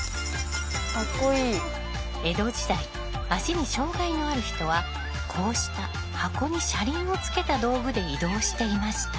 江戸時代足に障害のある人はこうした箱に車輪をつけた道具で移動していました。